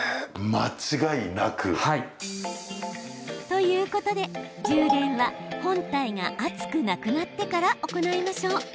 ということで充電は本体が熱くなくなってから行いましょう。